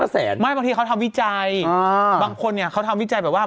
แสนไม่บางทีเขาทำวิจัยบางคนเนี่ยเขาทำวิจัยแบบว่า